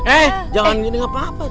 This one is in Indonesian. eh jangan gini gak apa apa tuh